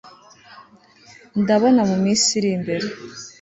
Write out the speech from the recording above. ndabona muminsi iri imbere